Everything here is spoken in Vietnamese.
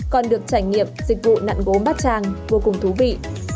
còn được trải nghiệm dịch vụ nặn gốm bát tràng vô cùng thú vị